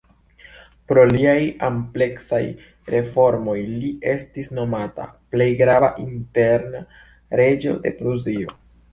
Pro liaj ampleksaj reformoj li estis nomata "plej grava interna reĝo de Prusio".